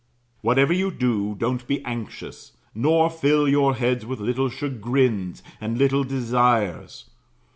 Whatever you do, don't be anxious, nor fill your heads with little chagrins and little desires.